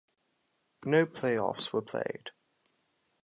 No playoffs were played.